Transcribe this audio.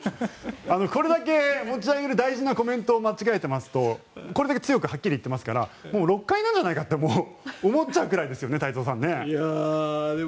これだけ持ち上げる大事なコメントを間違えていますとこれだけ強くはっきり言っていますからもう６階なんじゃないかと思っちゃうくらいですよね太蔵さん。